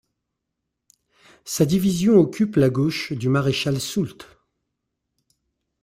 Sa division occupe la gauche du maréchal Soult.